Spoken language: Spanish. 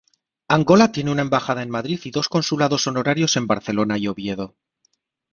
Angola tiene una embajada en Madrid y dos consulados honorarios en Barcelona y Oviedo.